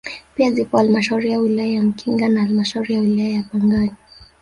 Pia zipo halmashauri ya wilaya ya Mkinga na halmashauri ya wilaya ya Pangani